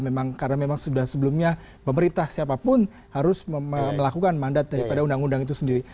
memang karena memang sudah sebelumnya pemerintah siapapun harus melakukan mandat daripada undang undang itu sendiri